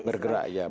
bergerak ya betul